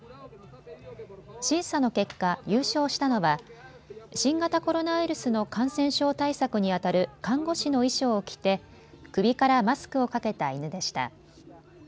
審査の結果、優勝したのは新型コロナウイルスの感染症対策にあたる看護師の衣装を着て首からマスクをかけた犬でした。